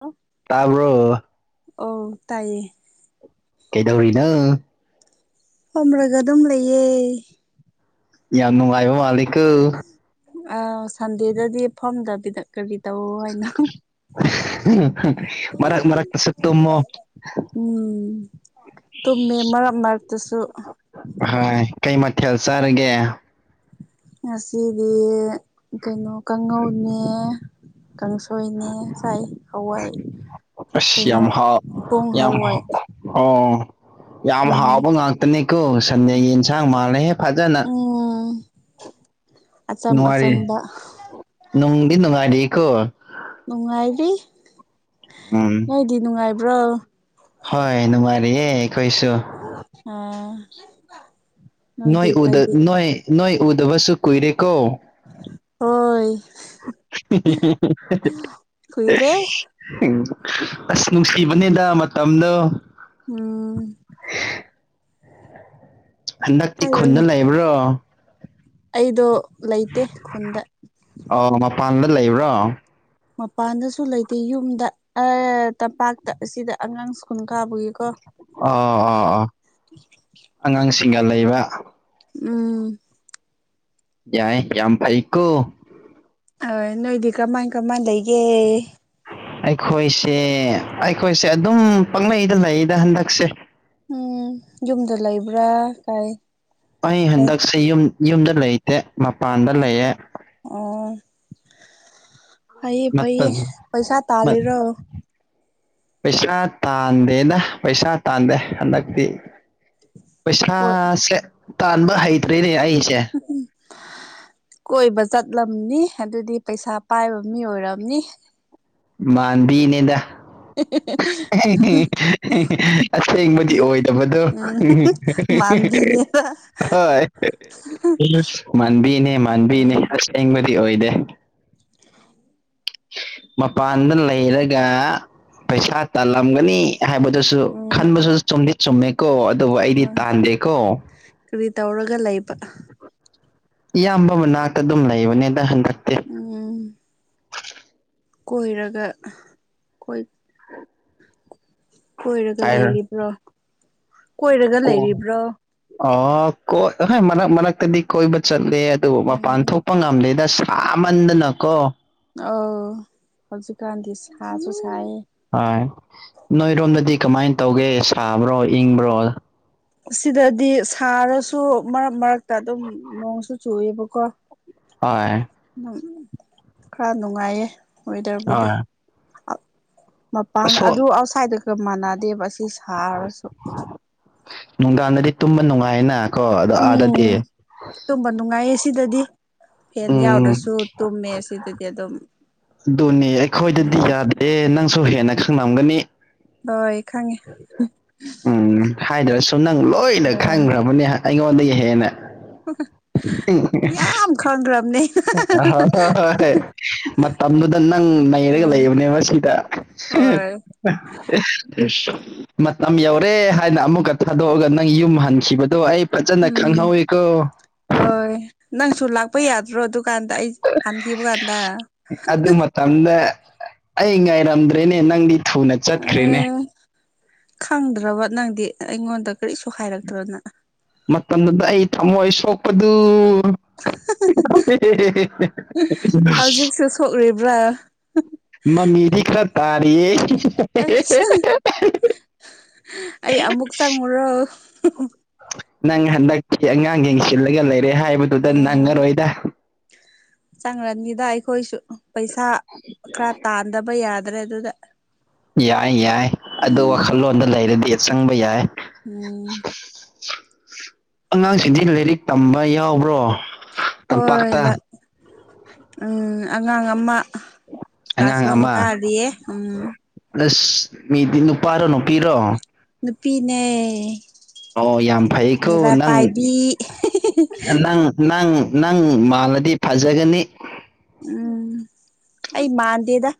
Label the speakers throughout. Speaker 1: ꯑꯣ
Speaker 2: ꯇꯥꯕ꯭ꯔꯣ
Speaker 1: ꯑꯧ ꯇꯥꯏꯌꯦ
Speaker 2: ꯀꯩꯗꯧꯔꯤꯅ
Speaker 1: ꯐꯣꯝꯔꯒ ꯑꯗꯨꯝ ꯂꯩꯌꯦ
Speaker 2: ꯌꯥꯝ ꯅꯨꯡꯉꯥꯏꯕ ꯃꯥꯂꯤꯀꯣ
Speaker 1: ꯑ ꯁꯟꯗꯦꯗꯗꯤꯐꯝꯗ ꯄꯤꯗꯛ ꯀꯔꯤꯗꯕꯨ
Speaker 2: ꯃꯔꯛ ꯃꯔꯒ ꯇ ꯁꯛꯇꯃꯣ
Speaker 1: ꯎꯝ ꯇꯨꯝꯃꯦ ꯃꯔꯛ ꯃꯔꯛꯇꯁꯨ
Speaker 2: ꯍꯣꯏ ꯀꯩ ꯃꯊꯦꯜ ꯆꯥꯔꯒꯦ
Speaker 1: ꯉꯁꯤꯗꯤ ꯀꯩꯅꯣ ꯀꯥꯡꯉꯧꯅꯦ ꯀꯥꯡꯁꯣꯏꯅꯦ ꯆꯥꯏ ꯍꯋꯥꯏ
Speaker 2: ꯑꯁ꯭
Speaker 1: ꯀꯩꯅꯣ
Speaker 2: ꯌꯥꯃ
Speaker 1: ꯄꯨꯡ
Speaker 2: ꯌꯥꯃ
Speaker 1: ꯍꯋꯥꯏ
Speaker 2: ꯑꯣ ꯌꯥꯝ
Speaker 1: ꯎꯝ
Speaker 2: ꯍꯥꯎꯕ ꯉꯥꯛꯇꯅꯤꯀꯣ ꯁꯟꯗꯦꯒꯤ ꯌꯦꯟꯁꯥꯡ ꯃꯥꯜꯂꯦꯍꯦ ꯐꯖꯅ
Speaker 1: ꯎꯝ ꯑꯆꯝ
Speaker 2: ꯅꯨꯡꯉꯥꯏꯔꯤ
Speaker 1: ꯑꯆꯝꯕ
Speaker 2: ꯅꯨꯡꯗꯤ ꯅꯨꯡꯉꯥꯏꯔꯤꯀꯣ
Speaker 1: ꯅꯨꯡꯉꯥꯏꯔꯤ
Speaker 2: ꯎꯝ
Speaker 1: ꯅꯣꯏꯗꯤ ꯅꯨꯡꯉꯥꯏꯕ꯭ꯔꯣ
Speaker 2: ꯍꯣꯏ ꯅꯨꯡꯉꯥꯏꯔꯤꯌꯦ ꯑꯩꯈꯣꯏꯁꯨ
Speaker 1: ꯑꯥ
Speaker 2: ꯅꯣꯏ
Speaker 1: ꯅꯣꯏꯗꯤ
Speaker 2: ꯎꯗ
Speaker 1: ꯀꯔꯤ
Speaker 2: ꯅꯣꯏ ꯅꯣꯏ ꯎꯗꯕꯁꯨ ꯀꯨꯏꯔꯦꯀꯣ
Speaker 1: ꯍꯣꯏ
Speaker 2: [unintelligible]
Speaker 1: ꯀꯨꯏꯔꯦ
Speaker 2: ꯎꯝ ꯑꯁ ꯅꯨꯡꯁꯤꯕꯅꯦꯗ ꯃꯇꯝꯗꯣ
Speaker 1: ꯎꯝ
Speaker 2: ꯍꯟꯗꯛꯇꯤ ꯈꯨꯟꯗ
Speaker 1: ꯍꯥꯏꯔꯛꯎꯅꯦ
Speaker 2: ꯂꯩꯕ꯭ꯔꯣ
Speaker 1: ꯑꯩꯗꯣ ꯂꯩꯇꯦ ꯈꯨꯟꯗ
Speaker 2: ꯑꯣ ꯃꯄꯥꯟꯗ ꯂꯩꯕ꯭ꯔꯣ
Speaker 1: ꯃꯄꯥꯟꯗꯁꯨ ꯂꯩꯇꯦ ꯌꯨꯝꯗ ꯑꯦ ꯇꯝꯄꯥꯛꯇ ꯑꯁꯤꯗ ꯑꯉꯥꯡ ꯁ꯭ꯀꯨꯜ ꯀꯥꯕꯨꯒꯤꯀꯣ
Speaker 2: ꯑꯣ ꯑꯣ ꯑꯣꯥ ꯑꯉꯥꯡꯁꯤꯡꯒ ꯂꯩꯕ
Speaker 1: ꯎꯝ
Speaker 2: ꯌꯥꯏꯌꯦ ꯌꯥꯝ ꯐꯩ ꯀꯣ
Speaker 1: ꯍꯣꯏ ꯅꯣꯏꯗꯤ ꯀꯃꯥꯏ ꯀꯃꯥꯏ ꯂꯩꯒꯦ
Speaker 2: ꯑꯩꯈꯣꯏꯁꯦ ꯑꯩꯈꯣꯏꯁꯦ ꯑꯗꯨꯝ ꯄꯥꯛꯂꯩꯗ ꯂꯩꯗ ꯍꯟꯗꯛꯁꯦ
Speaker 1: ꯎꯝ ꯌꯨꯝꯗ ꯂꯩꯕ꯭ꯔꯥ ꯀꯥꯏ
Speaker 2: ꯑꯩ
Speaker 1: ꯀꯥꯏ
Speaker 2: ꯍꯟꯗꯛꯁꯦ ꯌꯨꯝ ꯌꯨꯝꯗ ꯂꯩꯇꯦ ꯃꯄꯥꯟꯗ ꯂꯩꯑꯦ
Speaker 1: ꯑꯣ ꯐꯩꯌꯦ ꯐꯩꯌꯦ
Speaker 2: ꯃꯇꯝ
Speaker 1: ꯄꯩꯁꯥ
Speaker 2: ꯃꯠ
Speaker 1: ꯇꯥꯜꯂꯤꯔꯣ
Speaker 2: ꯄꯩꯁꯥ ꯇꯥꯟꯗꯦꯅ ꯄꯩꯁꯥ ꯇꯥꯟꯗꯦ ꯍꯟꯗꯛꯇꯤ
Speaker 1: [inaudible]
Speaker 2: ꯄꯩꯁꯥꯁꯦ ꯇꯥꯟꯕ ꯍꯩꯇ꯭ꯔꯦꯅꯦ ꯑꯩꯁꯦ
Speaker 1: [inaudible] ꯀꯣꯏꯕ ꯆꯠꯂꯝꯅꯤ ꯑꯗꯨꯗꯤ ꯄꯩꯁꯥ ꯄꯥꯏꯕ ꯃꯤ ꯑꯣꯏꯔꯝꯅꯤ
Speaker 2: ꯃꯥꯟꯕꯤꯅꯤꯗ
Speaker 1: [unintelligible]
Speaker 2: ꯑꯁꯦꯡꯕꯗꯤ ꯑꯣꯏꯗꯕꯗꯣ
Speaker 1: ꯎꯝ ꯃꯥꯟꯕꯤꯅꯦꯕ
Speaker 2: ꯍꯣꯏ ꯃꯥꯟꯕꯤꯅꯦ ꯃꯥꯟꯕꯤꯅꯦ
Speaker 1: ꯎꯝ
Speaker 2: ꯑꯁꯦꯡꯕꯗꯤ ꯑꯣꯏꯗꯦ ꯃꯄꯥꯟꯗ ꯂꯩꯔꯒ ꯄꯩꯁꯥ ꯇꯥꯜꯂꯝꯒꯅꯤ ꯍꯥꯏꯕꯗꯨꯁꯨ
Speaker 1: ꯎꯝ
Speaker 2: ꯈꯟꯕꯁꯨ ꯆꯨꯝꯗꯤ ꯆꯨꯝꯃꯦꯀꯣ ꯑꯗꯨꯕꯨ ꯑꯩꯗꯤ
Speaker 1: ꯍꯣꯏ
Speaker 2: ꯇꯥꯟꯗꯦꯀꯣ
Speaker 1: ꯀꯔꯤ ꯇꯧꯔꯒ ꯂꯩꯕ
Speaker 2: ꯏꯌꯥꯝꯕ ꯃꯅꯥꯛꯇ ꯑꯗꯨꯝ ꯂꯩꯕꯅꯦꯗ ꯍꯟꯗꯛꯇꯤ
Speaker 1: ꯎꯝ ꯀꯣꯏꯔꯒ ꯀꯣꯏ
Speaker 2: [inaudible]
Speaker 1: ꯀꯣꯏꯔꯒ
Speaker 2: ꯍꯥꯏꯔ
Speaker 1: ꯂꯩꯔꯤꯕ꯭ꯔꯣ ꯀꯣꯏꯔꯒ
Speaker 2: ꯀꯣ
Speaker 1: ꯂꯩꯔꯤꯕ꯭ꯔꯣ
Speaker 2: ꯑꯥ ꯀꯣ ꯑꯍꯥ ꯃꯔꯛ ꯃꯔꯛꯇꯗꯤ ꯀꯣꯏꯕ ꯆꯠꯂꯦ ꯑꯗꯨꯕꯨ ꯃꯄꯥꯟ
Speaker 1: ꯎꯝ
Speaker 2: ꯊꯣꯛꯄ ꯉꯝꯗꯦꯗ ꯁꯥꯃꯟꯗꯅꯀꯣ
Speaker 1: ꯑꯥꯎ ꯍꯧꯖꯤꯛꯀꯥꯟꯗꯤ ꯁꯥꯁꯨ ꯁꯥꯏꯌꯦ
Speaker 2: ꯍꯣꯏ ꯅꯣꯏꯔꯣꯝꯗꯗꯤ ꯀꯃꯥꯏꯅ ꯇꯧꯒꯦ ꯁꯥꯕ꯭ꯔꯣ ꯏꯪꯕ꯭ꯔꯣ
Speaker 1: ꯁꯤꯗꯗꯤ ꯁꯥꯔꯁꯨ ꯃꯔꯛ ꯃꯔꯛꯇ ꯑꯗꯨꯝ ꯅꯣꯡꯁꯨ ꯆꯨꯏꯌꯦꯕꯀꯣ
Speaker 2: ꯍꯣꯏ
Speaker 1: ꯎꯝ ꯈꯔ ꯅꯨꯡꯉꯥꯏꯌꯦ ꯋꯦꯗꯔꯕꯨꯗꯤ
Speaker 2: ꯍꯣꯏ
Speaker 1: ꯃꯄꯥꯟ
Speaker 2: ꯑꯁꯣ
Speaker 1: ꯑꯗꯨ ꯑꯥꯎꯠꯁꯥꯏꯗꯒ ꯃꯥꯟꯅꯗꯦꯕ ꯑꯁꯤ ꯁꯥꯔꯁꯨ
Speaker 2: ꯅꯨꯡꯗꯥꯡꯗꯗꯤ ꯇꯨꯝꯕ ꯅꯨꯡꯉꯥꯏꯌꯦꯅ ꯀꯣ ꯑꯗꯣ ꯑꯥꯗꯗꯤ
Speaker 1: ꯎꯝ ꯇꯨꯝꯕ ꯅꯨꯡꯉꯥꯏꯌꯦ ꯁꯤꯗꯗꯤ ꯐꯦꯟ
Speaker 2: ꯎꯝ
Speaker 1: ꯌꯥꯎꯗ꯭ꯔꯁꯨ ꯇꯨꯝꯃꯦ ꯁꯤꯗꯗꯤ ꯑꯗꯨꯝ
Speaker 2: ꯑꯗꯨꯅꯦ ꯑꯩꯈꯣꯏꯗꯗꯤ
Speaker 1: ꯎꯝ
Speaker 2: ꯌꯥꯗꯦ ꯅꯪꯁꯨ ꯍꯦꯟꯅ ꯈꯪꯂꯝꯒꯅꯤ
Speaker 1: ꯍꯣꯏ ꯈꯪꯉꯦ
Speaker 2: ꯎꯝ ꯍꯥꯏꯗ꯭ꯔꯁꯨ ꯅꯪ ꯂꯣꯏꯅ
Speaker 1: ꯑꯥ
Speaker 2: ꯈꯪꯈ꯭ꯔꯕꯅꯤ ꯑꯩꯉꯣꯟꯗꯩ ꯍꯦꯟꯅ
Speaker 1: ꯌꯥꯝ
Speaker 2: [unintelligible]
Speaker 1: [unintelligible]
Speaker 2: ꯑ ꯍ ꯍꯣꯏ ꯍꯣꯏ ꯃꯇꯝꯗꯨꯗ ꯅꯪ ꯅꯩꯔꯒ ꯂꯩꯕꯅꯦꯕ ꯁꯤꯗ
Speaker 1: ꯍꯣꯢ
Speaker 2: [unintelligible] ꯃꯇꯝ ꯌꯧꯔꯦ ꯍꯥꯏꯅ ꯑꯃꯨꯛꯀ ꯊꯥꯗꯣꯛꯑꯒ ꯅꯪ ꯌꯨꯝ ꯍꯟꯈꯤꯕꯗꯣ ꯑꯩ ꯐꯆꯅ
Speaker 1: ꯎꯝ
Speaker 2: ꯈꯪꯅꯧꯏ ꯀꯣ
Speaker 1: ꯍꯣꯏ ꯅꯪꯁꯨ ꯂꯥꯛꯄ ꯌꯥꯗ꯭ꯔꯣ ꯑꯗꯨꯀꯥꯟꯗ ꯑꯩ ꯍꯟꯈꯤꯕ ꯀꯥꯟꯗ
Speaker 2: ꯇꯜꯂꯦ ꯑꯩ ꯉꯥꯏꯔꯝꯗ꯭ꯔꯦꯅꯦ ꯅꯪꯗꯤ ꯊꯨꯅ ꯆꯠꯈ꯭ꯔꯦꯅꯦ
Speaker 1: ꯑꯦ ꯈꯪꯗ꯭ꯔꯕ ꯅꯪꯗꯤ ꯑꯩꯉꯣꯟꯗ ꯀꯔꯤꯁꯨ ꯍꯥꯏꯔꯛꯇ꯭ꯔꯣꯅ
Speaker 2: ꯃꯇꯝꯗꯨꯗ ꯑꯩ ꯊꯝꯃꯣꯏ ꯁꯣꯛꯄꯗꯨ
Speaker 1: ꯍꯧꯖꯤꯛꯁꯨ
Speaker 2: [unintelligible]
Speaker 1: ꯁꯣꯛꯔꯤꯕ꯭ꯔꯥ
Speaker 2: ꯃꯃꯤꯗꯤ ꯈꯔ ꯇꯥꯔꯤꯌꯦ
Speaker 1: ꯑꯁ ꯑꯩ ꯑꯃꯨꯛ ꯆꯪꯉꯨꯔꯣ
Speaker 2: ꯅꯪ ꯍꯟꯗꯛꯀꯤ ꯑꯉꯥꯡ ꯌꯦꯡꯁꯤꯜꯂꯒ ꯂꯩꯔꯦ ꯍꯥꯏꯕꯗꯨꯗ ꯅꯪꯉꯔꯣꯏꯗ
Speaker 1: ꯆꯪꯔꯅꯤꯗ ꯑꯩꯈꯣꯏꯁꯨ ꯄꯩꯁꯥ ꯈꯔ ꯇꯥꯟꯗꯕ ꯌꯥꯗ꯭ꯔꯦ ꯑꯗꯨꯗ
Speaker 2: ꯌꯥꯏ ꯌꯥꯏ ꯑꯗꯨ
Speaker 1: ꯎꯝ
Speaker 2: ꯋꯥꯈꯜꯂꯣꯟꯗ ꯂꯩꯔꯗꯤ ꯑ ꯆꯪꯕ ꯌꯥꯏ
Speaker 1: ꯎꯝ
Speaker 2: ꯑꯉꯥꯡꯁꯤꯗꯤ ꯂꯥꯏꯔꯤꯛ ꯇꯝꯕ ꯌꯥꯎꯕ꯭ꯔꯣ
Speaker 1: ꯍꯣꯏ
Speaker 2: ꯇꯝꯄꯥꯛꯇ
Speaker 1: ꯂ ꯎꯝ ꯑꯉꯥꯡ ꯑꯃ ꯀꯂꯥꯁ
Speaker 2: ꯑꯉꯥꯡ
Speaker 1: ꯋꯥꯟ
Speaker 2: ꯑꯃ
Speaker 1: ꯀꯥꯔꯤꯌꯦ ꯎꯝ
Speaker 2: ꯑꯁ ꯃꯤꯗꯤ ꯅꯨꯄꯥꯔꯣ ꯅꯨꯄꯤꯔꯣ
Speaker 1: ꯅꯨꯄꯤꯅꯦ
Speaker 2: ꯑꯣ ꯌꯥꯝ ꯐꯩꯀꯣ
Speaker 1: ꯃꯤꯔꯥ
Speaker 2: ꯅꯪ
Speaker 1: ꯄꯥꯏꯕꯤ
Speaker 2: ꯅꯪ ꯅꯪ ꯅꯪ ꯃꯥꯜꯂꯗꯤ ꯐꯖꯒꯅꯤ
Speaker 1: ꯎꯝ ꯑꯩ ꯃꯥꯟꯗꯦꯗ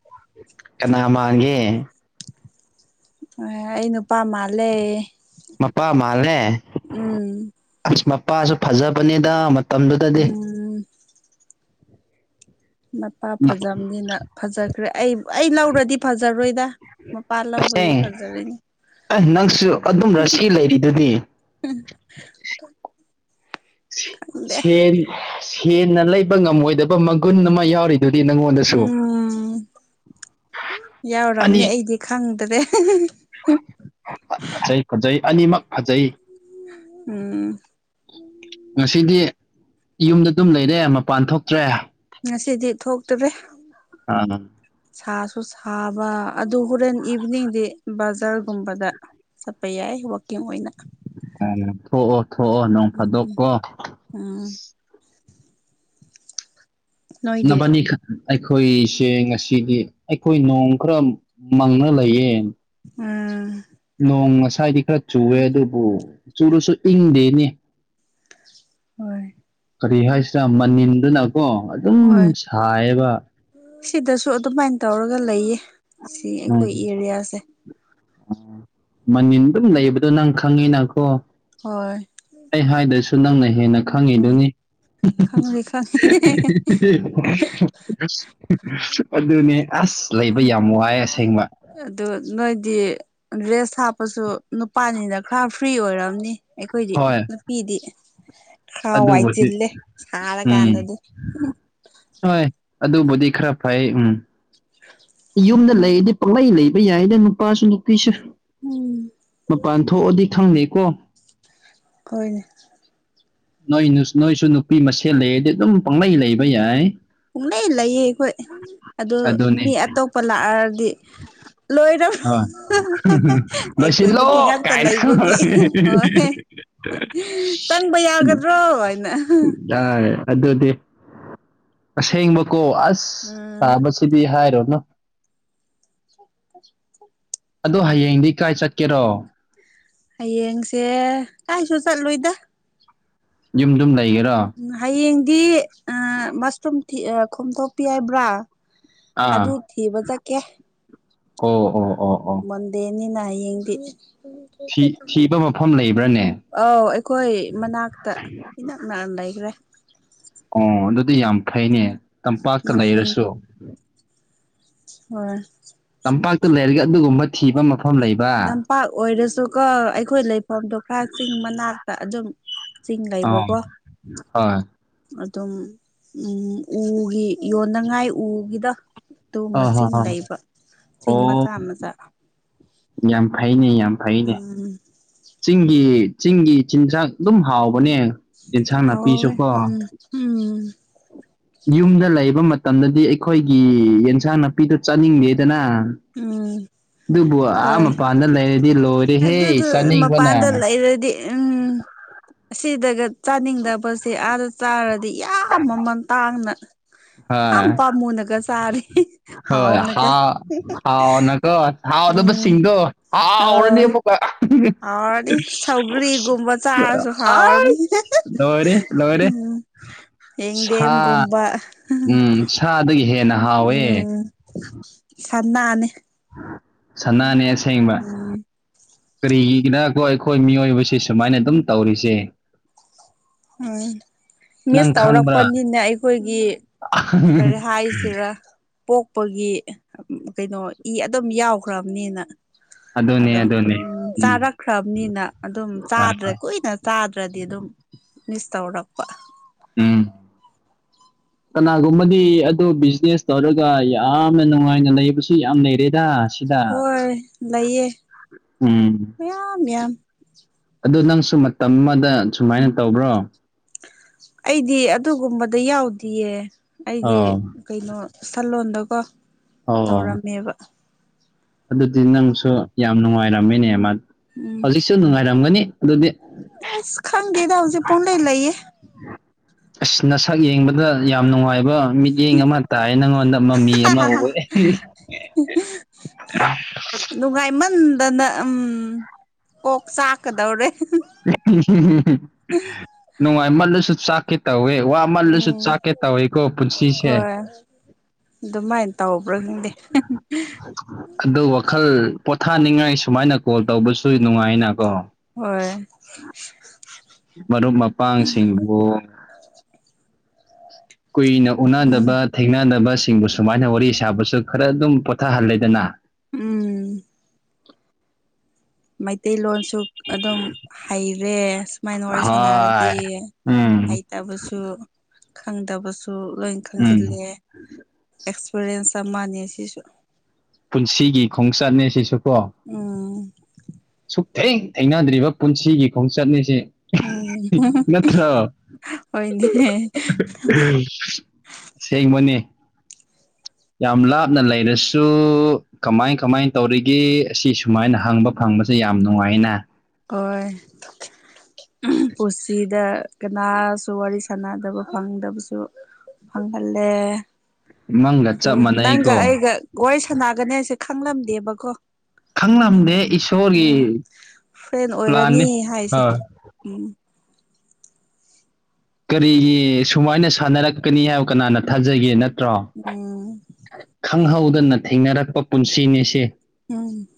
Speaker 2: ꯀꯅꯥ ꯃꯥꯟꯒꯤ
Speaker 1: ꯑꯩ ꯅꯨꯄꯥ ꯃꯥꯜꯂꯦ
Speaker 2: ꯃꯄꯥ ꯃꯥꯂꯦ
Speaker 1: ꯎꯝ
Speaker 2: ꯑꯁ ꯃꯄꯥꯁꯨ ꯐꯖꯕꯅꯤꯗ ꯃꯇꯝꯗꯨꯗꯗꯤ
Speaker 1: ꯎꯝ ꯃꯄꯥ ꯐꯖꯕꯅꯤꯅ ꯐꯖꯈ꯭ꯔꯦ ꯑꯩ ꯑꯩ ꯂꯧꯔꯗꯤ ꯐꯖꯔꯣꯏꯗ ꯃꯄꯥ ꯂꯧꯕꯒꯤ
Speaker 2: ꯇꯁꯦꯡ
Speaker 1: ꯐꯖꯔꯤꯅꯤ
Speaker 2: ꯑ ꯅꯪꯁꯨ ꯑꯗꯨꯝ ꯔꯁꯤ ꯂꯩꯔꯤꯗꯨꯗꯤ
Speaker 1: ꯈꯪꯗꯦ
Speaker 2: ꯁꯦꯟꯅ ꯂꯩꯕ ꯉꯝꯃꯣꯏꯗꯕ ꯃꯒꯨꯟ ꯑꯃ ꯌꯥꯎꯔꯤꯗꯨꯗꯤ ꯅꯪꯉꯣꯟꯗ
Speaker 1: ꯎꯝ
Speaker 2: ꯑꯅꯤ
Speaker 1: ꯌꯥꯎꯔꯝꯅꯦ ꯑꯩꯗꯤ ꯈꯪꯗ꯭ꯔꯦ
Speaker 2: ꯐꯖꯩ ꯐꯖꯩ ꯑꯅꯤꯃꯛ ꯐꯖꯩ
Speaker 1: ꯎꯝ
Speaker 2: ꯉꯁꯤꯗꯤ ꯌꯨꯝꯗ ꯑꯗꯨꯝ ꯂꯩꯔꯦ ꯃꯄꯥꯟ ꯊꯣꯛꯇ꯭ꯔꯦ
Speaker 1: ꯉꯁꯤꯗꯤ ꯊꯣꯛꯇ꯭ꯔꯦ
Speaker 2: ꯑ
Speaker 1: ꯁꯥꯁꯨ ꯁꯥꯕ ꯑꯗꯨ ꯍꯣꯔꯦꯟ ꯏꯚꯤꯅꯤꯡꯗꯤ ꯕꯖꯥꯔꯒꯨꯝꯕꯗ ꯆꯠꯄ ꯌꯥꯏ ꯋꯀꯤꯡ ꯑꯣꯏꯅ
Speaker 2: ꯑ ꯊꯣꯛꯑꯣ ꯊꯣꯛꯑꯣ ꯅꯪꯡ ꯐꯥꯗꯣꯛꯀꯣ
Speaker 1: ꯑꯝ ꯅꯣꯏꯗꯤ
Speaker 2: ꯅꯕꯅꯤ ꯈ ꯑꯩꯈꯣꯏꯁꯦ ꯉꯁꯤꯗꯤ ꯑꯩꯈꯣꯏ ꯅꯣꯡ ꯈꯔ ꯃꯪꯅ ꯂꯩꯌꯦ
Speaker 1: ꯑ
Speaker 2: ꯅꯣꯡ ꯉꯁꯥꯏꯗꯤ ꯈꯔ ꯆꯨꯋꯦ ꯑꯗꯨꯕꯨ ꯆꯨꯔꯁꯨ ꯏꯪꯗꯦꯅꯤ
Speaker 1: ꯍꯣꯏ
Speaker 2: ꯀꯔꯤ ꯍꯥꯏꯁꯤꯔ ꯃꯅꯤꯝꯗꯨꯅꯀꯣ ꯑꯗꯨꯝ
Speaker 1: ꯍꯣꯏ
Speaker 2: ꯁꯥꯏꯌꯦꯕ
Speaker 1: ꯁꯤꯗꯁꯨ ꯑꯗꯨꯃꯥꯏꯅ ꯇꯧꯔꯒ ꯂꯩꯌꯦ ꯁꯤ ꯑꯩꯈꯣꯏ ꯑꯦꯔꯤꯌꯥꯁꯦ
Speaker 2: ꯎꯝ ꯃꯅꯤꯟ ꯑꯗꯨꯝ ꯂꯩꯕꯗꯣ ꯅꯪ ꯈꯪꯉꯤꯅꯀꯣ
Speaker 1: ꯍꯣꯏ
Speaker 2: ꯑꯩ ꯍꯥꯏꯗꯁꯨ ꯅꯪꯅ ꯍꯦꯟꯅ
Speaker 1: ꯎꯝ
Speaker 2: ꯈꯪꯉꯤꯗꯨꯅꯤ
Speaker 1: ꯈꯪꯉꯦ ꯈꯪꯉꯦ
Speaker 2: [unintelligible] ꯑꯗꯨꯅꯦ ꯑꯁ ꯂꯩꯕ
Speaker 1: ꯎꯝ
Speaker 2: ꯌꯥꯝ ꯋꯥꯏ ꯑꯁ
Speaker 1: ꯑꯗꯨ ꯅꯣꯏꯗꯤ ꯔꯦꯁ ꯍꯥꯞꯄꯁꯨ ꯅꯨꯄꯥꯅꯤꯅ ꯈꯔ ꯐ꯭ꯔꯤ ꯑꯣꯏꯔꯝꯅꯤ ꯑꯩꯈꯣꯏꯗꯤ
Speaker 2: ꯍꯣꯏ
Speaker 1: ꯅꯨꯄꯤꯗꯤ ꯈꯔ ꯋꯥꯏ
Speaker 2: ꯑꯗꯨꯕꯨꯗꯤ
Speaker 1: ꯆꯤꯜꯂꯦ
Speaker 2: ꯎꯝ
Speaker 1: ꯁꯥꯔꯀꯥꯟꯗꯗꯤ
Speaker 2: ꯍꯣꯏ ꯑꯗꯨꯕꯨꯗꯤ ꯈꯔ ꯐꯩ ꯎꯝ
Speaker 1: [unintelligible]
Speaker 2: ꯌꯨꯝꯗ ꯂꯩꯗꯤ ꯄꯥꯛꯂꯩ ꯂꯩꯕ ꯌꯥꯏꯗ ꯅꯨꯄꯥꯁꯨ ꯅꯨꯄꯤꯁꯨ
Speaker 1: ꯎꯝ
Speaker 2: ꯃꯄꯥꯟ ꯊꯣꯛꯑꯗꯤ ꯈꯪꯅꯩꯀꯣ
Speaker 1: ꯍꯣꯏꯅꯦ
Speaker 2: ꯅꯣꯏ ꯅꯣꯏꯁꯨ ꯅꯨꯄꯤ ꯃꯁꯦꯜ ꯂꯩꯗꯤ ꯑꯗꯨꯝ ꯄꯪꯂꯩ ꯂꯩꯕ ꯌꯥꯏ
Speaker 1: ꯄꯨꯡꯂꯩ ꯂꯩꯌꯦ ꯑꯩꯈꯣꯏ ꯑꯗꯨ
Speaker 2: ꯑꯗꯨꯅꯦ
Speaker 1: ꯃꯤ ꯑꯇꯣꯞꯄ ꯂꯥꯛꯑꯔꯗꯤ ꯂꯣꯏꯔꯕꯣ
Speaker 2: ꯍꯣꯏ
Speaker 1: [unintelligible] ꯑꯩꯈꯣꯏ
Speaker 2: ꯂꯣꯏꯁꯤꯜꯂꯣ
Speaker 1: ꯅꯨꯄꯤ ꯉꯥꯛꯇ
Speaker 2: ꯀꯥꯏꯅ
Speaker 1: ꯂꯩꯕꯒꯤ ꯍꯣꯏ
Speaker 2: [unintelligible]
Speaker 1: ꯒꯥꯗ꯭ꯔꯣ ꯍꯥꯏꯅ
Speaker 2: ꯑ ꯑꯗꯨꯗꯤ ꯑꯁꯦꯡꯕꯀꯣ ꯑꯁ
Speaker 1: ꯎꯝ
Speaker 2: ꯆꯥꯕ ꯁꯤꯗꯤ ꯍꯥꯏꯔꯣꯅ‌ꯣ
Speaker 1: [unintelligible]
Speaker 2: ꯑꯗꯨ ꯍꯌꯦꯡꯗꯤ ꯀꯥꯏ ꯆꯥꯠꯀꯦꯔꯣ
Speaker 1: ꯍꯌꯦꯡꯁꯦ ꯀꯥꯏꯁꯨ ꯆꯠꯂꯣꯏꯗ
Speaker 2: ꯌꯨꯝ ꯗꯨꯝ ꯂꯩꯒꯦꯔꯣ
Speaker 1: ꯍꯌꯦꯡꯗꯤ ꯃꯁꯔꯨꯝ ꯈꯣꯝꯗꯣꯛꯄꯤ ꯍꯥꯏꯕ꯭ꯔꯥ ꯑꯗꯨ ꯊꯤꯕ ꯆꯠꯀꯦ
Speaker 2: ꯎ ꯎ ꯑꯣ ꯑꯣ
Speaker 1: ꯃꯣꯟꯗꯦꯅꯤꯅ ꯍꯥꯌ‌ꯦꯡꯗꯤ
Speaker 2: ꯊꯤ
Speaker 1: [unintelligible]
Speaker 2: ꯊꯤꯕ ꯃꯐꯝ ꯂꯩꯕ꯭ꯔꯥꯅꯦ
Speaker 1: ꯑꯥꯎ ꯑꯩꯈꯣꯏ ꯃꯅꯥꯛ [unintelligible] ꯏꯅꯛ ꯅꯥꯟꯗꯥ ꯂꯩꯈ꯭ꯔꯦ
Speaker 2: ꯑꯣ ꯑꯗꯨꯗꯤ ꯌꯥꯝ ꯐꯩꯅꯦ ꯇꯝꯄꯥꯛꯇ ꯂꯩꯔꯁꯨ
Speaker 1: ꯍ‌ꯣꯏ
Speaker 2: ꯇꯝꯄꯥꯛꯇ ꯂꯩꯔꯒ ꯑꯗꯨꯒꯨꯝꯕ ꯊꯤꯕ ꯃꯐꯝ ꯂꯩꯕ
Speaker 1: ꯆꯝꯄꯥꯛ ꯑꯣꯏꯔꯁꯨꯀꯣ ꯑꯩꯈꯣꯏ ꯂꯩꯐꯝꯗꯨꯣ ꯈꯥ ꯆꯤꯡ ꯃꯅꯥꯛꯇ ꯑꯗꯨꯝ ꯆꯤꯡ
Speaker 2: ꯑꯥ
Speaker 1: ꯂꯩꯕꯀꯣ
Speaker 2: ꯍꯣꯏ
Speaker 1: ꯑꯗꯨꯝ ꯎꯝ ꯎꯒꯤ ꯌꯣꯟꯅꯉꯥꯏ ꯎꯒꯤꯗ ꯇꯨ ꯃ
Speaker 2: ꯑꯥ ꯍꯣꯏ
Speaker 1: ꯁꯤꯡ
Speaker 2: ꯍꯣꯏ
Speaker 1: ꯂꯩꯕ ꯆꯤꯡ
Speaker 2: ꯑꯣ
Speaker 1: ꯃꯆꯥ ꯃꯆꯥ
Speaker 2: ꯌꯥꯝ ꯐꯩꯅꯦ ꯌꯥꯝ ꯐꯩꯅꯦ
Speaker 1: ꯎꯝ
Speaker 2: ꯆꯤꯡꯒꯤ ꯆꯤꯡꯒꯤ ꯆꯤꯟꯖꯥꯛ ꯑꯗꯨꯝ ꯍꯥꯎꯕꯅꯦ ꯏꯟꯁꯥꯡ
Speaker 1: ꯍꯥꯎꯋꯦ
Speaker 2: ꯅꯥꯄꯤꯁꯨꯀꯣ
Speaker 1: ꯎꯝ ꯎꯝ
Speaker 2: ꯌꯨꯝꯗ ꯂꯩꯕ ꯃꯇꯝꯗꯗꯤ ꯑꯩꯈꯣꯏꯒꯤ ꯌ‌ꯦꯟꯁꯥꯡ ꯅꯥꯄꯤꯗꯣ ꯆꯠꯅꯤꯡꯗꯦꯗꯅ
Speaker 1: ꯎꯝ ꯍꯣꯏ
Speaker 2: ꯃꯄꯥꯟꯗ ꯂꯩꯔꯗꯤ ꯂꯣꯏꯔꯦꯍꯦ
Speaker 1: ꯑꯗꯨꯗꯨ
Speaker 2: ꯆꯥꯅꯤꯡꯕꯅ
Speaker 1: ꯃꯄꯥꯟꯗ ꯂꯩꯔꯗꯤ ꯑꯪ ꯑꯁꯤꯗꯒ ꯆꯥꯅꯤꯡꯗꯕꯁꯦ ꯑꯥꯗ ꯆꯥꯔꯗꯤ ꯌꯥꯝ ꯃꯃꯜ ꯇꯥꯡꯅ
Speaker 2: ꯍꯣꯏ
Speaker 1: ꯌꯥꯝ ꯄꯃꯨꯅꯀ ꯆꯔꯤ [unintelligible]
Speaker 2: ꯍꯣꯏ
Speaker 1: ꯍꯥꯎꯅꯀ
Speaker 2: ꯍꯥꯎ ꯅꯒꯣ ꯍꯥꯎꯗꯕ
Speaker 1: ꯎꯝ
Speaker 2: ꯁꯤꯡꯗ‌ꯣ
Speaker 1: ꯑꯣ
Speaker 2: ꯍꯥꯎꯔꯅ‌ꯦꯕ
Speaker 1: ꯍꯥꯎꯔꯅꯤ ꯁꯧꯒ꯭ꯔꯤꯒꯨꯝꯕ ꯆꯥꯔꯁꯨ
Speaker 2: ꯑꯁ
Speaker 1: ꯍꯥꯎꯔꯅꯤ
Speaker 2: ꯂꯣꯏꯔꯦ ꯂꯣꯏꯔꯦ
Speaker 1: [unintelligible] ꯌꯦꯡꯗꯦꯝ
Speaker 2: ꯁꯥ
Speaker 1: ꯒꯨꯝꯕ [unintelligible]
Speaker 2: ꯎꯝ ꯁꯥꯗꯒꯤ ꯍꯦꯟꯅ ꯍꯥꯎꯋꯦ
Speaker 1: ꯎꯝ ꯁꯥꯟꯅꯥꯅꯦ
Speaker 2: ꯁꯅꯥꯅꯦ ꯑꯁꯦꯡꯕ
Speaker 1: ꯎꯝ
Speaker 2: ꯀꯔꯤꯒꯤꯏꯅꯀꯣ ꯑꯩꯈꯣꯏ ꯃꯤꯑꯣꯏꯕꯕꯁꯦ ꯁꯨꯃꯥꯏꯅ ꯑꯗꯨꯝ ꯇꯧꯔꯤꯁꯦ
Speaker 1: ꯎꯝ ꯃꯤꯁ
Speaker 2: ꯅꯪ ꯈꯪꯕ꯭ꯔꯥ
Speaker 1: ꯇꯧꯔꯛꯄꯅꯤꯅ ꯑꯩꯈꯣꯏꯒꯤ ꯀꯔꯤ ꯍꯥꯏꯁꯤꯔꯥ ꯄꯣꯛꯄꯒꯤ ꯀꯩꯅꯣ ꯏ ꯑꯗꯨꯝ ꯌꯥꯎꯈ꯭ꯔꯕꯅꯤꯅ
Speaker 2: ꯑꯗꯨꯅꯦ
Speaker 1: ꯑꯗꯨꯝ
Speaker 2: ꯑꯗꯨꯅꯦ
Speaker 1: ꯎꯝ ꯆꯥꯔꯛꯈ꯭ꯔꯕꯅꯤꯅ ꯑꯗꯨꯝ
Speaker 2: ꯑ
Speaker 1: ꯆꯥꯗ꯭ꯔꯦ ꯀꯨꯏꯅ ꯆꯥꯗ꯭ꯔꯗꯤ ꯑꯗꯨꯝ ꯃꯤꯁ ꯇꯧꯔꯛꯄ
Speaker 2: ꯎꯝ
Speaker 1: [inaudible]
Speaker 2: ꯀꯅꯥꯒꯨꯝꯕꯗꯤ ꯑꯗꯨ ꯕꯤꯖꯤꯅꯦꯁ ꯇꯧꯔꯒ ꯌꯥꯝꯅ ꯅꯨꯡꯉꯥꯏꯅ ꯂꯩꯕꯁꯨ ꯌꯥꯝ ꯂꯩꯔꯦꯗ ꯁꯤꯗ
Speaker 1: ꯍꯣꯏ ꯂꯩꯌꯦ
Speaker 2: ꯎꯝ
Speaker 1: ꯃꯌꯥꯝ ꯃꯌꯥꯝ
Speaker 2: ꯑꯗꯨ ꯅꯪꯁꯨ ꯃꯇꯝ ꯑꯃꯗ ꯁꯨꯃꯥꯏꯅ ꯇꯧꯕ꯭ꯔꯣ
Speaker 1: ꯑꯩꯗꯤ ꯑꯗꯨꯒꯨꯝꯕꯗ ꯌꯥꯎꯗꯤꯌꯦ ꯑꯩꯗꯤ
Speaker 2: ꯑꯣ
Speaker 1: ꯀꯩꯅꯣ ꯁꯜꯂꯣꯟꯗꯀꯣ
Speaker 2: ꯑꯣ
Speaker 1: ꯇꯧꯔꯝꯃꯦꯕ
Speaker 2: ꯑꯗꯨꯗꯤ ꯅꯪꯁꯨ ꯌꯥꯝ ꯅꯨꯡꯉꯥꯏꯔꯝꯃꯦꯅꯦ ꯃꯥ
Speaker 1: ꯎꯝ
Speaker 2: ꯍꯧꯖꯤꯛꯁꯨ ꯅꯨꯡꯉꯥꯏꯔꯝꯒꯅꯤ ꯑꯗꯨꯗꯤ
Speaker 1: ꯑꯁ ꯈꯪꯗꯦꯗ ꯍꯧꯖꯤꯛ ꯄꯨꯡꯂꯩ ꯂꯩꯌꯦ
Speaker 2: ꯑꯁ ꯅꯁꯛ ꯌꯦꯡꯕꯗ ꯌꯥꯝ ꯅꯨꯡꯉꯥꯏꯕ ꯃꯤꯠ ꯌꯦꯡ ꯑꯃ ꯇꯥꯏ ꯅꯪꯉꯣꯟꯗ ꯃꯃꯤ ꯑꯃ ꯎꯋꯦ
Speaker 1: ꯅꯨꯡꯉꯥꯏꯃꯟꯗꯅ ꯎꯝ ꯀꯣꯛ ꯆꯥꯛꯀꯗꯧꯔꯦ
Speaker 2: ꯅꯨꯡꯉꯥꯏꯃꯜꯂꯁꯨ ꯆꯥꯛꯀꯦ ꯇꯧꯋꯦ ꯋꯥ ꯃꯜꯂꯁꯨ
Speaker 1: ꯎꯝ
Speaker 2: ꯆꯥꯛꯀꯦ ꯇꯧꯋꯤꯀꯣ ꯄꯨꯟꯁꯤꯁꯦ
Speaker 1: ꯍꯣꯏ ꯑꯗꯨꯃꯥꯏꯅ ꯇꯧꯕ꯭ꯔꯥ ꯈꯪꯗꯦ
Speaker 2: ꯑꯗꯨ ꯋꯥꯈꯜ ꯄꯣꯊꯥꯅꯤꯡꯉꯥꯏ ꯁꯨꯃꯥꯏꯅ ꯀꯣꯜ ꯇꯧꯕꯁꯨ ꯅꯨꯡꯉꯥꯏꯅꯥꯀꯣ
Speaker 1: ꯍꯣꯏ [unintelligible]
Speaker 2: ꯃꯔꯨꯞ ꯃꯄꯥꯡꯁꯤꯡꯕꯨ ꯀꯨꯏꯅ
Speaker 1: ꯎꯝ
Speaker 2: ꯎꯅꯗꯕ ꯊꯦꯡꯅꯗꯕꯁꯤꯡꯕꯨ ꯁꯨꯃꯥꯏꯅ ꯋꯥꯔꯤ ꯁꯥꯕꯁꯨ ꯈꯔ ꯑꯗꯨꯝ ꯄꯣꯊꯥꯍꯜꯂꯦꯗꯅ
Speaker 1: ꯎꯝ ꯃꯩꯇꯩꯂꯣꯟꯁꯨ ꯑꯗꯨꯝ ꯍꯩꯔꯦꯁ ꯃꯥꯏꯅ ꯋꯥꯔꯤ ꯁꯅꯥꯔꯗꯤ
Speaker 2: ꯍꯣꯏ ꯎꯝ
Speaker 1: [unintelligible] ꯇꯕꯁꯨ ꯈꯪꯗꯕꯁꯨ ꯂꯣꯏ
Speaker 2: ꯎꯝ
Speaker 1: ꯈꯪꯖꯤꯜꯂꯦ ꯑꯦꯛꯁꯄꯔꯤꯌꯦꯟꯁ ꯑꯃꯅꯤ ꯁꯤꯁꯨ
Speaker 2: ꯄꯨꯟꯁꯤꯒꯤ ꯈꯣꯡꯆꯠꯅꯦ ꯁꯤꯁꯨ ꯀꯣ
Speaker 1: ꯎꯝ
Speaker 2: ꯁꯨꯛꯊꯦꯡ ꯊꯦꯡꯅꯗ꯭ꯔꯤꯕ ꯄꯨꯟꯁꯤꯒꯤ ꯈꯣꯡꯆꯠꯅꯦꯁꯦ
Speaker 1: ꯎꯝ
Speaker 2: ꯅꯠꯇ꯭ꯔꫭ
Speaker 1: ꯍꯣꯏꯅꯦ
Speaker 2: ꯁꯦꯡꯕꯅꯦ ꯌꯥꯝ ꯂꯥꯞꯅ ꯂꯩꯔꯁꯨ ꯀꯃꯥꯏ ꯀꯃꯥꯏꯅ ꯇꯧꯔꯤꯒꯦ ꯁꯤ ꯁꯨꯃꯥꯏꯅ ꯍꯪꯕ ꯐꯪꯕꯁꯦ ꯌꯥꯝ ꯅꯨꯡꯉꯥꯏꯅ
Speaker 1: ꯍꯣꯏ ꯄꯨꯟꯁꯤꯗ ꯀꯅꯥꯁꯨ ꯋꯥꯔꯤ ꯁꯥꯟꯅꯗꯕ ꯐꯪꯗꯕꯁꯨ ꯐꯪꯍꯜꯂꯦ
Speaker 2: ꯅꯪꯒ
Speaker 1: ꯑꯗꯨ
Speaker 2: ꯆꯞ
Speaker 1: ꯅꯪꯒ
Speaker 2: ꯃꯥꯟꯅꯩꯀꯣ
Speaker 1: ꯑꯩꯒ ꯋꯥꯔꯤ ꯁꯥꯟꯅꯒꯅꯦꯁꯦ ꯈꯪꯂꯝꯗꯦꯕꯀꯣ
Speaker 2: ꯈꯪꯂꯝꯗꯦ ꯏꯁꯣꯔꯒꯤ
Speaker 1: ꯎꯝ ꯐ꯭ꯔꯦꯟ
Speaker 2: ꯄ꯭ꯂꯥꯟꯅꯤ
Speaker 1: ꯑꯣꯏꯔꯅꯤ ꯍꯥꯏꯁꯦ
Speaker 2: ꯍꯣꯏ,
Speaker 1: ꯎꯝ
Speaker 2: ꯀꯔꯤꯒꯤ ꯁꯨꯃꯥꯏꯅ ꯁꯥꯟꯅꯔꯛꯀꯅꯤ ꯍꯥꯏꯕ ꯀꯅꯥꯅ ꯊꯥꯖꯒꯦ ꯅꯠꯇ꯭ꯔꯣ
Speaker 1: ꯎꯝ
Speaker 2: ꯈꯪꯍꯧꯗꯅ ꯊꯦꯡꯅꯔꯛꯄ ꯄꯨꯟꯁꯤꯅꯦꯁꯦ
Speaker 1: ꯎꯝ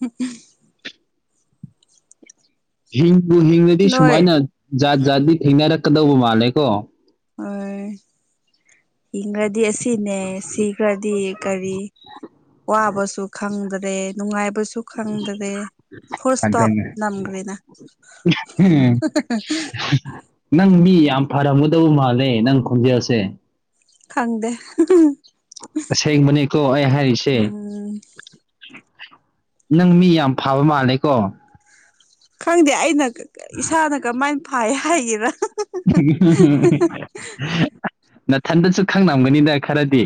Speaker 2: ꯍꯤꯡꯕꯨ ꯍꯤꯡꯉꯗꯤ
Speaker 1: ꯅꯣꯏ
Speaker 2: ꯁꯨꯃꯥꯏꯅ ꯖꯥꯠ ꯖꯥꯠꯇꯤ ꯊꯦꯡꯅꯔꯛꯀꯗꯧꯕ ꯃꯥꯜꯂꯦꯀꯣ
Speaker 1: ꯍꯣꯢ ꯏꯪꯔꯗꯤ ꯁꯤꯅꯦ ꯁꯤꯈ꯭ꯔꯗꯤ ꯀꯔꯤ ꯋꯥꯕꯁꯨ ꯈꯪꯗ꯭ꯔꯦ ꯅꯨꯡꯉꯥꯏꯕꯁꯨ ꯁꯨ ꯈꯪꯗ꯭ꯔꯦ ꯐꯣꯔꯁ ꯏꯁꯇꯣꯞ
Speaker 2: ꯑꯗꯨꯅꯦ
Speaker 1: ꯅꯝꯈ꯭ꯔꯦꯅ
Speaker 2: ꯎꯝ [unintelligible] ꯅꯪ ꯃꯤ ꯌꯥꯝ ꯐꯔꯝꯒꯗꯧꯕ ꯃꯥꯜꯂꯦ ꯅꯪ ꯈꯣꯟꯖꯦꯜꯁꯦ
Speaker 1: ꯈꯪꯗꯦ
Speaker 2: ꯇꯁꯦꯡꯕꯅꯦꯀꯣ ꯑꯩ ꯍꯥꯏꯔꯤꯁꯦ
Speaker 1: ꯎꯝ
Speaker 2: ꯅꯪ ꯃꯤ ꯌꯥꯝ ꯐꯕ ꯃꯥꯜꯂꯦ ꯀꯣ
Speaker 1: ꯈꯪꯗꯦ ꯑꯩꯅ ꯏꯁꯥꯅ ꯀꯃꯥꯏꯅ ꯐꯥꯏ ꯍꯥꯏꯒꯦꯔꯥ
Speaker 2: ꯅꯊꯟꯗꯁꯨ ꯈꯪ ꯅꯝꯒꯅꯤꯗ ꯈꯔꯗꯤ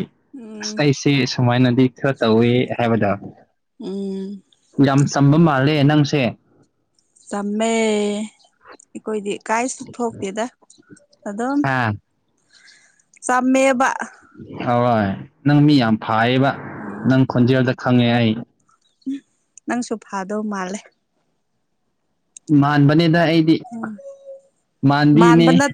Speaker 2: ꯑꯁ
Speaker 1: ꯎꯝ
Speaker 2: ꯑꯩꯁꯦ ꯁꯤ ꯁꯨꯃꯥꯏꯅꯗꯤ ꯈꯔ ꯇꯧꯋꯦ ꯍꯥꯏꯕꯗꯣ
Speaker 1: ꯎꯝ
Speaker 2: ꯌꯥꯝ ꯆꯝꯕ ꯃꯥꯜꯂꯦ ꯅꯪꯁꯦ
Speaker 1: ꯆꯥꯝꯃꯦ ꯑꯩꯈꯣꯏꯗꯤ ꯀꯥꯏꯁꯨ ꯊꯣꯛꯇꯦꯗ ꯑꯗꯨꯝ
Speaker 2: ꯑ
Speaker 1: ꯆꯥꯝꯃꯦꯕ
Speaker 2: ꯍꯣꯏ ꯅꯪ ꯃꯤ ꯌꯥꯝ ꯐꯩꯌꯦꯕ
Speaker 1: ꯎꯝ
Speaker 2: ꯅꯪ ꯈꯣꯟꯖꯦꯜꯗ ꯈꯪꯉꯦ ꯑꯩ
Speaker 1: ꯅꯪꯁꯨ ꯐꯥꯗꯧ ꯃꯥꯜꯂꯦ
Speaker 2: ꯃꯥꯟꯕꯅꯦꯗ ꯑꯩꯗꯤ
Speaker 1: ꯎꯝ
Speaker 2: ꯃꯥꯟꯕꯤꯅꯦ
Speaker 1: ꯃꯥꯟꯕ ꯅꯠ